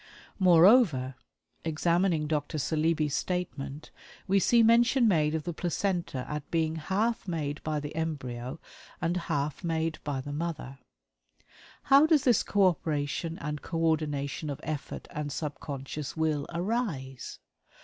Moreover, examining Dr. Saleeby's statement, we see mention made of the placenta at being "half made by the embryo, and half made by the mother." How does this co operation and co ordination of effort and subconscious will arise?